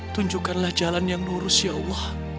tunjukkanlah jalan yang lurus ya allah